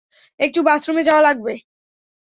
একটু বাথরুমে যাওয়া লাগবে।